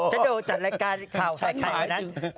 ฉันดูจัดรายการข่าวไข่ไข่เหมือนนั้น